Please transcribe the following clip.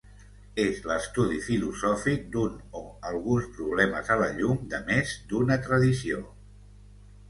És l'estudi filosòfic d'un o alguns problemes a la llum de més d'una tradició.